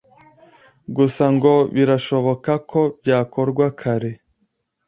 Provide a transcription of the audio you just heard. Gusa ngo birashoboka ko byakorwa kare